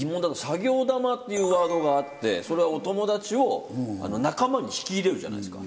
作業玉っていうワードがあってお友達を仲間に引き入れるじゃないですか。